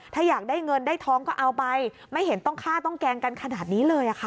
ถ้าอยากได้เงินได้ทองก็เอาไปไม่เห็นต้องฆ่าต้องแกล้งกันขนาดนี้เลยค่ะ